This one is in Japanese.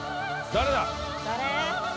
誰？